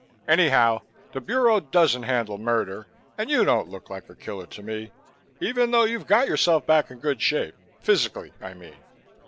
Anyhow, the Bureau doesn't handle murder and you don't look like a killer to me, even though you've got yourself back in good shape, physically, I mean."